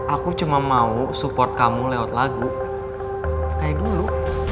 aku cuma mau support kamu lewat lagu kayak dulu